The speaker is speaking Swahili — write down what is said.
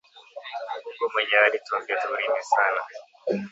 Mungu mwenyewe ari twambia tu rime sana